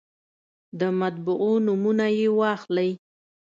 د مطبعو نومونه یې واخلئ.